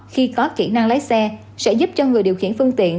khi có kỹ năng lái xe sẽ giúp cho người điều khiển phương tiện